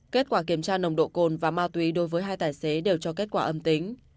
kết quả kiểm tra nồng độ cồn và ma túy đối với hai tài xế đều cho kết quả âm tính